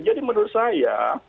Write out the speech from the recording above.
jadi menurut saya